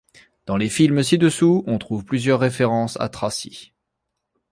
Dans les films ci-dessous, on trouve plusieurs références à Tracy.